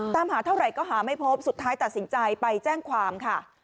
ตามหาเท่าไหร่ก็หาไม่พบสุดท้ายตัดสินใจไปแจ้งความค่ะ